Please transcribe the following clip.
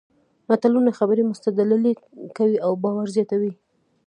متلونه خبرې مستدللې کوي او باور زیاتوي